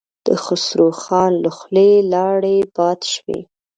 د خسرو خان له خولې لاړې باد شوې.